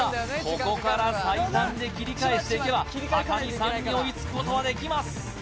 ここから最短で切り返していけば高見さんに追いつくことはできます